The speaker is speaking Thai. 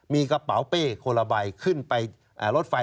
มีกระเป๋าเป้คนละใบขึ้นไปรถไฟ